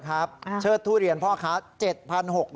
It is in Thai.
ข้างปรุงของพ่อค้า๗๖๐๐บาท